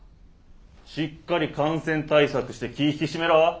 しっかり感染対策して気ぃ引き締めろ。